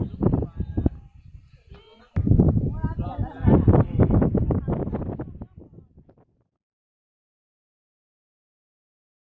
สวัสดีครับ